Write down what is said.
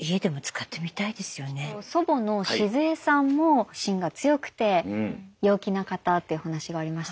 祖母のシズエさんもしんが強くて陽気な方というお話がありましたが。